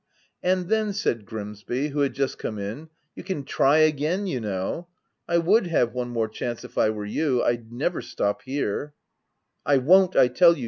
38 THE TENANT " i And then/ said Grimsby, who had just come in, 'you can try again, you know. I would have one more chance if I were you. I'd never stop here/ *'' I won't, I tell you V.